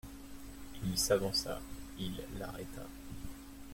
Il s'avança, il l'arrêta.